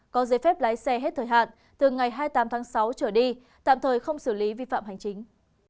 có giấy phép lái xe hết thời hạn từ ngày hai mươi tám tháng sáu trở đi tạm thời không xử lý vi phạm hành chính